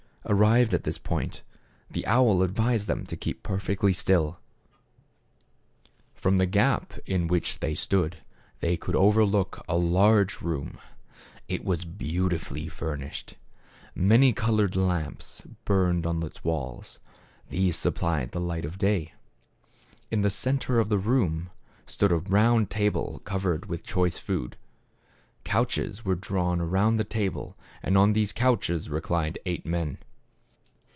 Arrived at this point, the owl advised them to keep perfectly still. ]^0 you T\ot From the gap m ■ 1 ? Vow OW which they stood they could over look a large room. It was beautifully furnished. Many colored lamps burned on its walls; these supplied the light of day. In the center of the room, stood a round table covered with choice food. Couches were drawn around the table, and on these couches reclined eight men.